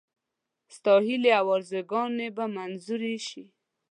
ستا هیلې او آرزوګانې به منظوري شي.